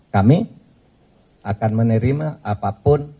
kami akan menerima apapun